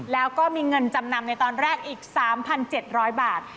แล้วก็มีเงินจำนำในตอนแรกอีก๓๗๐๐บาท